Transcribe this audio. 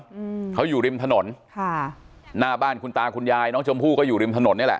อืมเขาอยู่ริมถนนค่ะหน้าบ้านคุณตาคุณยายน้องชมพู่ก็อยู่ริมถนนนี่แหละ